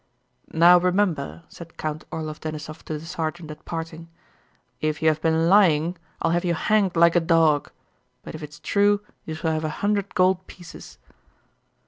"Now, remember," said Count Orlóv Denísov to the sergeant at parting, "if you have been lying I'll have you hanged like a dog; but if it's true you shall have a hundred gold pieces!"